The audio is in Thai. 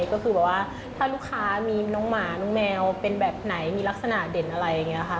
ก็คือแบบว่าถ้าลูกค้ามีน้องหมาน้องแมวเป็นแบบไหนมีลักษณะเด่นอะไรอย่างนี้ค่ะ